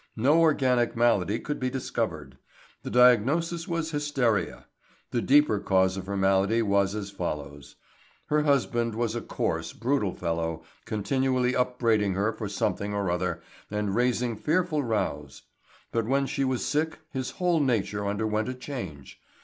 No organic malady could be discovered. The diagnosis was hysteria. The deeper cause of her malady was as follows: Her husband was a coarse, brutal fellow, continually upbraiding her for something or other and raising fearful rows; but when she was sick his whole nature underwent a change.